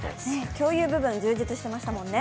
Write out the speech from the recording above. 共有部分充実してましたもんね。